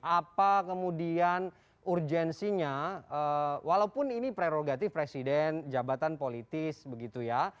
apa kemudian urgensinya walaupun ini prerogatif presiden jabatan politis begitu ya